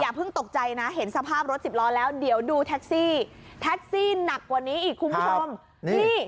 เพิ่งตกใจนะเห็นสภาพรถสิบล้อแล้วเดี๋ยวดูแท็กซี่แท็กซี่หนักกว่านี้อีกคุณผู้ชมนี่